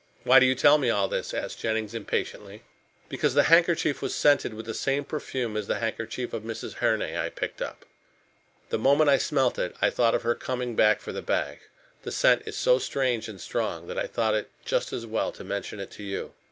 "Why do you tell me all this?" asked Jennings impatiently. "Because the handkerchief was scented with the same perfume as the handkerchief of Mrs. Herne I picked up. The moment I smelt it I thought of her coming back for the bag. The scent is so strange and strong that I thought it just as well to mention it to you.